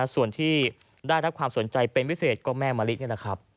ส่วนที่ได้รับความสนใจเป็นพิเศษก็แม่มะลินี่แหละครับ